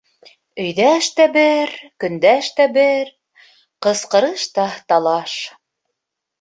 Өйҙәш тә бер, көндәш тә бер: ҡысҡырыш та талаш.